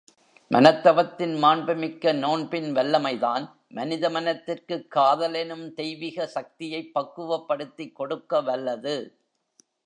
மனத்தவத்தின் மாண்புமிக்க நோன்பின் வல்லமைதான் மனித மனத்திற்குக் காதலெனும் தெய்விக சக்தியைப் பக்குவப்படுத்திக் கொடுக்கவல்லது.